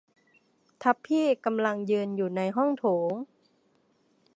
ทัพพี่กำลังยืนอยู่ในห้องโถง